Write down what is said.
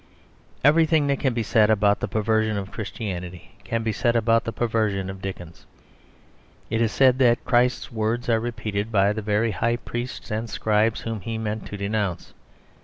Everything that can be said about the perversion of Christianity can be said about the perversion of Dickens. It is said that Christ's words are repeated by the very High Priests and Scribes whom He meant to denounce.